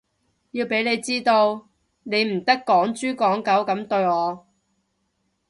要畀你知道，你唔得趕豬趕狗噉對我